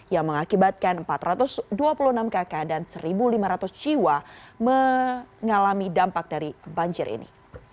yang mengakibatkan empat ratus dua puluh enam kakak dan satu lima ratus jiwa mengalami dampak dari banjir ini